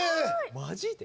マジで？